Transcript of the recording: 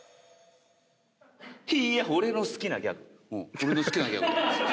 俺の好きなギャグだよ。